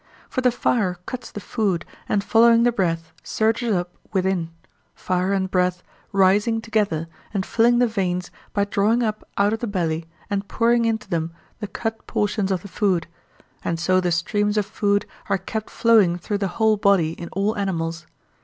For the fire cuts the food and following the breath surges up within, fire and breath rising together and filling the veins by drawing up out of the belly and pouring into them the cut portions of the food; and so the streams of food are kept flowing through the whole body in all animals.